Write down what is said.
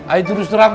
ayu terus terang